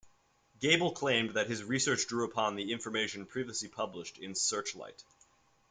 Gable claimed that his research drew upon the information previously published in "Searchlight".